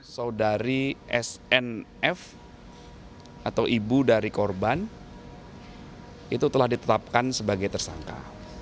saudari snf atau ibu dari korban itu telah ditetapkan sebagai tersangka